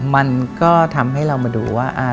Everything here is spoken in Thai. มันก็ทำให้เรามาดูว่า